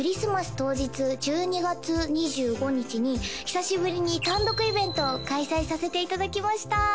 当日１２月２５日に久しぶりに単独イベントを開催させていただきました